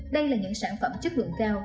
đây là những sản phẩm chất lượng cao